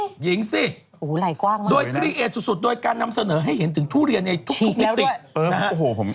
หลายกว้างมากโดยคลีเอตสุดโดยการนำเสนอให้เห็นถึงทุเรียนในทุกบุติ